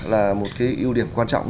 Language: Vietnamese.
là một cái ưu điểm quan trọng